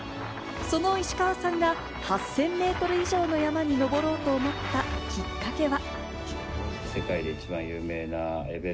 その石川さんが８０００ｍ以上の山に登ろうと思ったきっかけは。